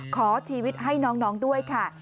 ขอชีวิตให้น้องด้วยค่ะ